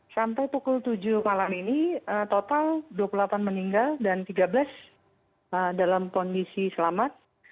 sampai pukul tujuh malam ini total dua puluh delapan meninggal dan tiga belas dalam kondisi selamat